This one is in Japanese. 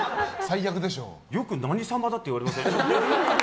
よく何様だって言われません？